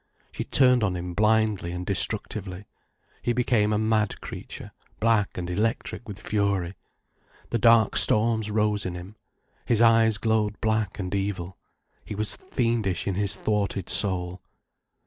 She turned on him blindly and destructively, he became a mad creature, black and electric with fury. The dark storms rose in him, his eyes glowed black and evil, he was fiendish in his thwarted soul.